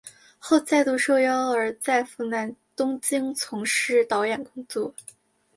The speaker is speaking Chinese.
后再度受邀而再赴东京从事导演工作。